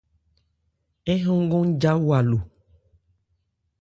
Ń hɔn nkɔn ja wa no.